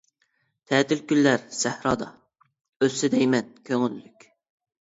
تەتىل كۈنلەر سەھرادا، ئۆتسە دەيمەن كۆڭۈللۈك.